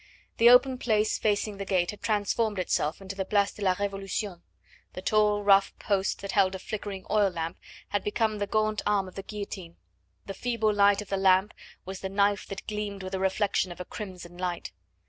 The open place facing the gate had transformed itself into the Place de la Revolution, the tall rough post that held a flickering oil lamp had become the gaunt arm of the guillotine, the feeble light of the lamp was the knife that gleamed with the reflection of a crimson light.